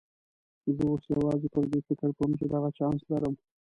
زه اوس یوازې پر دې فکر کوم چې دغه چانس لرم.